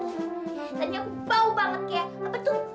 ternyata aku bau banget kayak apa tuh